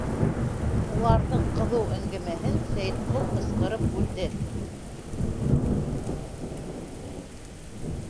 ...Уларҙың ҡыҙыу әңгәмәһен Сәйетҡол ҡысҡырып бүлде: